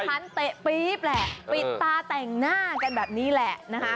มีทั้งการแข่งขันเตะปรี๊บแหละปิดตาแต่งหน้ากันแบบนี้แหละนะคะ